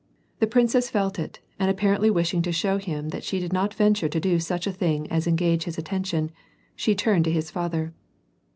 The prin cess felt it, and apparently wishing to show him that she did not venture to do such a thing as engage his attention, she turned to his father.